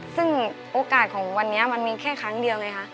ซึ่งโอกาสของวันนี้มันมีแค่ครั้งเดียวไงคะ